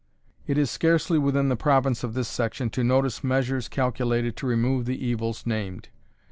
It is scarcely within the province of this section to notice measures calculated to remove the evils named.